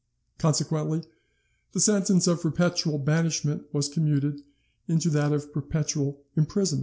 Consequently the sentence of perpetual banishment was commuted into that of perpetual imprisonment."